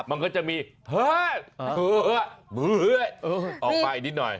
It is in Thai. มันก็จะมีเฮ้ยออกมาอีกนิดหน่อย